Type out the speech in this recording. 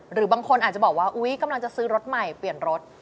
หรือบางคนอาจจะบอกว่าอุ๊ยกำลังจะซื้อรถใหม่เปลี่ยนรถ